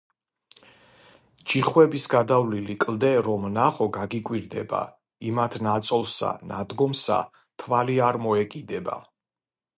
ჯიხვების გადავლილი კლდე რომ ნახო გაგიკვირდება იმათ ნაწოლსა ნადგომსა თვალი არ მოეკიდება